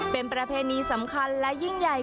เป็นประเพณีสำคัญและยิ่งใหญ่